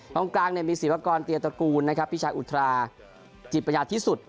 ห้องกลางเนี่ยมีศีลพากรเตียตระกูลนะครับพี่ชายอุทราจิตปัญญาที่สุด